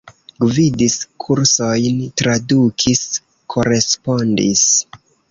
Gvidis kursojn, tradukis, korespondis.